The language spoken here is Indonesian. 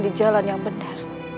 di jalan yang benar